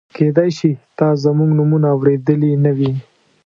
کېدای شي تا زموږ نومونه اورېدلي نه وي.